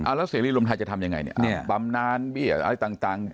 อ่าแล้วเสร็จเรียนลมท่ายจะทำยังไงนี่อ่ะปำนานอะไรต่าง